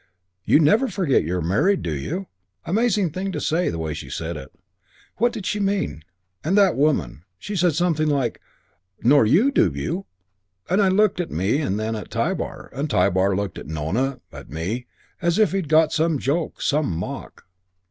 'You never forget you're married, do you?' Amazing thing to say, the way she said it. What did she mean? And that woman. She said something like, 'Nor you, do you?' and looked at me and then at Tybar. And Tybar looked at Nona, at me, as if he'd got some joke, some mock...."